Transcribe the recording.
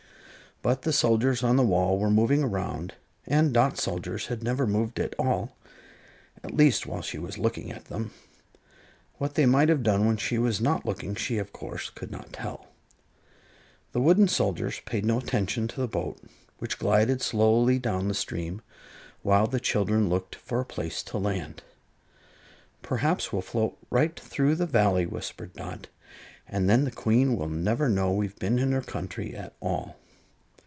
But the soldiers on the wall were moving around, and Dot's soldiers had never moved at all at least, while she was looking at them. What they might have done when she was not looking she, of course, could not tell. The wooden soldiers paid no attention to the boat, which glided slowly down the stream, while the children looked for a place to land. "Perhaps we'll float right through the Valley," whispered Dot, "and then the Queen will never know we've been in her country at all."